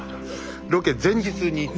ロケ前日に行った。